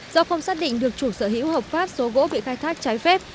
do không xác định được chủ sở hữu hợp pháp số gỗ bị khai thác trái phép